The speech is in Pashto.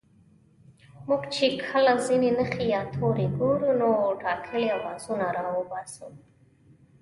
موږ چې کله ځينې نښې يا توري گورو نو ټاکلي آوازونه راوباسو